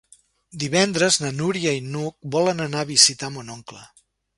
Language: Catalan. Divendres na Núria i n'Hug volen anar a visitar mon oncle.